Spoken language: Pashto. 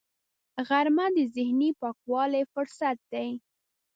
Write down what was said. غرمه د ذهني پاکوالي فرصت دی